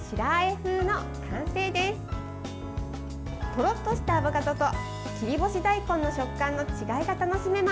とろっとしたアボカドと切り干し大根の食感の違いが楽しめます。